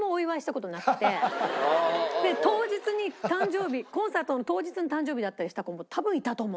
当日に誕生日コンサートの当日に誕生日だったりした子も多分いたと思う。